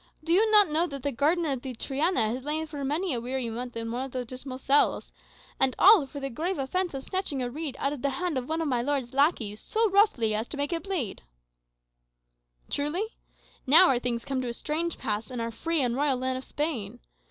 Do you not know that the gardener of the Triana has lain for many a weary month in one of those dismal cells; and all for the grave offence of snatching a reed out of the hand of one of my lord's lackeys so roughly as to make it bleed?"[#] [#] A fact. "Truly! Now are things come to a strange pass in our free and royal land of Spain!